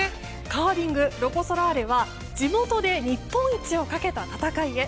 カーリング、ロコ・ソラーレは地元で日本一をかけた戦いへ。